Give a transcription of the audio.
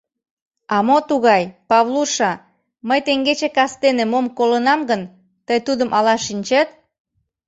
— А мо тугай, Павлуша, мый теҥгече кастене мом колынам гын, тый тудым ала шинчет?..